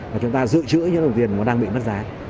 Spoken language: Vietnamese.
và chúng ta giữ chữ những đồng tiền đang bị mất giá